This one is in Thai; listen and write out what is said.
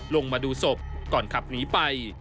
ลงมาดูศพก่อนขับหนีไป